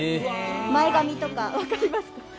前髪とか、わかりますか？